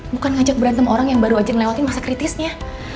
bukan ngajak berantem orang yang baru aja ngelewatin masa kritisnya